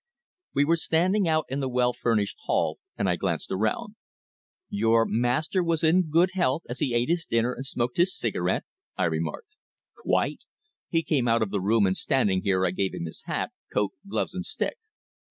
We were standing out in the well furnished hall and I glanced around. "Your master was in quite good health as he ate his dinner and smoked his cigarette?" I remarked. "Quite. He came out of the room and standing here I gave him his hat, coat, gloves and stick.